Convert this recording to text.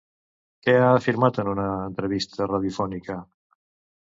Què ha afirmat en una entrevista radiofònica?